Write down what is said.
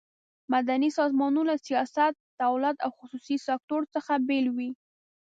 مدني سازمانونه له سیاست، دولت او خصوصي سکټور څخه بیل وي.